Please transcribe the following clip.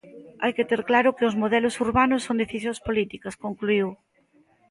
Hai que ter claro que os modelos urbanos son decisións políticas, concluíu.